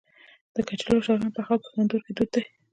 د کچالو او شلغم پخول په تندور کې دود دی.